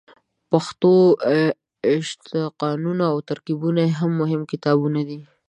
پښتو اشتقاقونه او ترکیبونه یې هم مهم کتابونه دي.